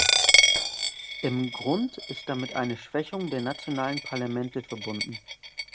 Im Grund ist damit eine Schwächung der nationalen Parlamente verbunden.